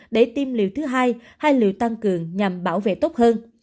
để tiêm liều thứ hai hay liệu tăng cường nhằm bảo vệ tốt hơn